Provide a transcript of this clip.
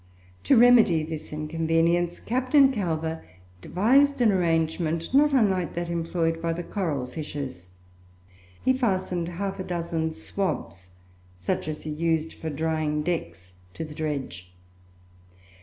To remedy this inconvenience Captain Calver devised an arrangement not unlike that employed by the coral fishers. He fastened half a dozen swabs, such as are used for drying decks, to the dredge.